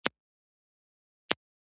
د هغه ماشینونه د ټوکر له ماشینونو ارزانه دي